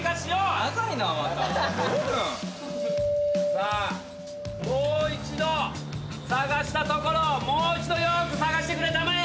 さあもう一度捜したところをもう一度よく捜してくれたまえ。